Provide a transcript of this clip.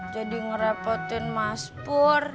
jadi ngerepotin mas pur